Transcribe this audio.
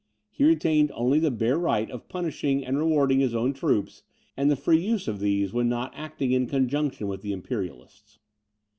He retained only the bare right of punishing and rewarding his own troops, and the free use of these, when not acting in conjunction with the Imperialists.